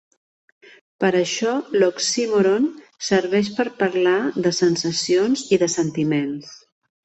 Per això l'oxímoron serveix per parlar de sensacions i de sentiments.